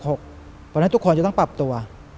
หกหกตอนนั้นทุกคนจะต้องปรับตัว